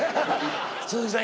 鈴木さん